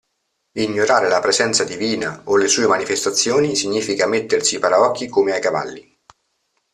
Ignorare la presenza divina o le sue manifestazioni significa mettersi i paraocchi come ai cavalli.